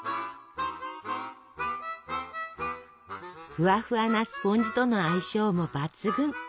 ふわふわなスポンジとの相性も抜群。